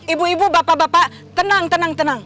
ibu ibu bapak bapak tenang tenang tenang